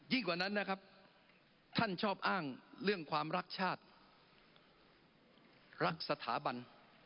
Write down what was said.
กว่านั้นนะครับท่านชอบอ้างเรื่องความรักชาติรักสถาบัน